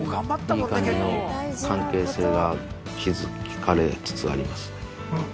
いい感じの関係性が築かれつつあります。